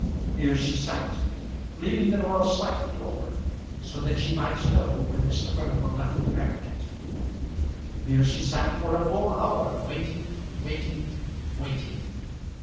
Here she sat, leaving the door slightly open, so that she might know when Mr. Furnival left the baronet. Here she sat for a full hour, waiting waiting waiting.